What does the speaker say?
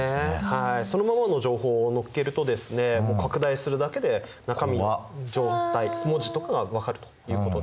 そのものの情報を載っけるとですね拡大するだけで中身の状態文字とかが分かるということですね。